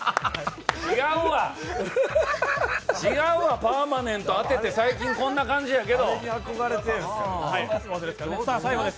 パーマネント当てて、最近こん感じやけど。